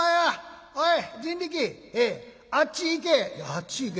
「あっち行け！」。